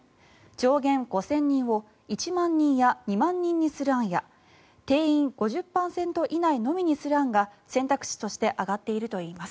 上限５０００人を１万人や２万人にする案や定員５０％以内のみにする案が選択肢として挙がっているといいます。